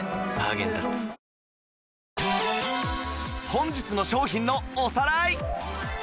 本日の商品のおさらい